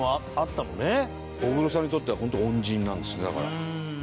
大黒さんにとっては本当恩人なんですねだから。